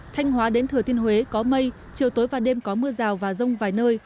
thanh hóa đến thừa thiên huế có mây chiều tối và đêm có mưa rào và rông vài nơi